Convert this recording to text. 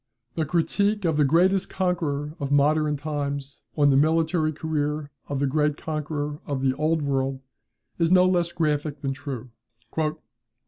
The critique of the greatest conqueror of modern times on the military career of the great conqueror of the old world, is no less graphic than true.